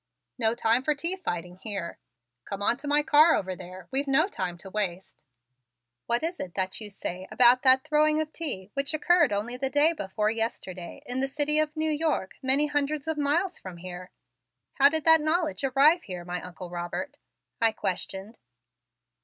No time for tea fighting here. Come on to my car over there; we've no time to waste." "What is it that you say about that throwing of tea which occurred only the day before yesterday in the City of New York many hundreds of miles from here? How did that knowledge arrive here, my Uncle Robert?" I questioned.